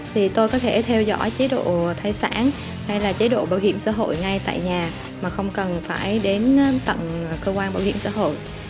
thì tôi có thể theo dõi chế độ thai sản hay là chế độ bảo hiểm xã hội ngay tại nhà mà không cần phải đến tận cơ quan bảo hiểm xã hội